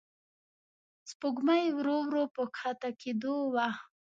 سپوږمۍ ورو ورو په کښته کېدو وه.